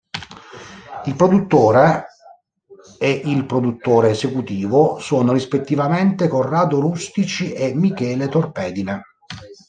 Il produttore e il produttore esecutivo sono rispettivamente Corrado Rustici e Michele Torpedine.